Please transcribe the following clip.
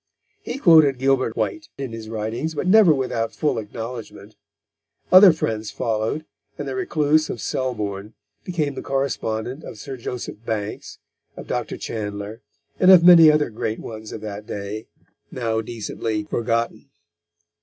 He quoted Gilbert White in his writings, but never without full acknowledgment. Other friends followed, and the recluse of Selbourne became the correspondent of Sir Joseph Banks, of Dr. Chandler, and of many other great ones of that day now decently forgotten.